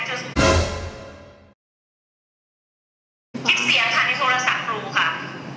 คลิปเสียงค่ะที่โทรศัพท์รู้ค่ะ